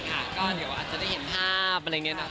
อาจจะได้เห็นภาพอะไรอย่างนี้